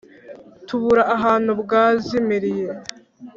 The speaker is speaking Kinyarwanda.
tubura ahantu bwazimiriye